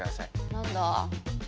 何だ？